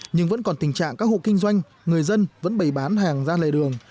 nhưng vẫn còn tình trạng các hộ kinh doanh người dân vẫn bày bán hàng ra lề đường